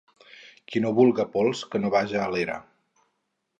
Qui no vulga pols, que no vaja a l’era.